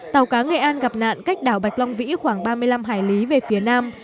tàu cá nghệ an gặp nạn cách đảo bạch long vĩ khoảng ba mươi năm hải lý về phía nam